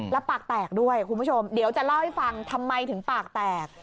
แล้วปากแตกด้วยคุณผู้ชมเดี๋ยวจะเล่าให้ฟังทำไมถึงปากแตก